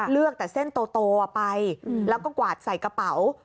เลือกแต่เส้นโตไปแล้วก็กวาดใส่กระเป๋า